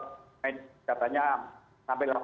tapi rata rata noi lembelas